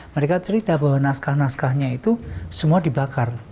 mereka cerita bahwa naskah naskahnya itu semua dibakar